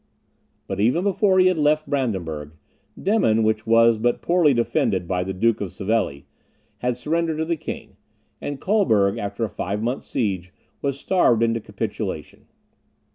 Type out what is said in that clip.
But even before he had left Brandenburg, Demmin, which was but poorly defended by the Duke of Savelli, had surrendered to the king, and Colberg, after a five months' siege, was starved into a capitulation.